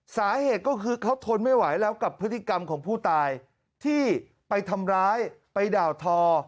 สาเหตุก็คือเขาทนไม่ไหวแล้วกับพฤติกรรมของผู้ตายที่ไปทำร้ายไปด่าทอ